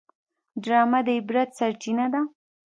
ډرامه د عبرت سرچینه ده